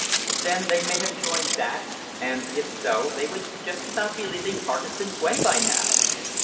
"Then they may have joined that, and if so they would just about be leaving Parkeston Quay by now!"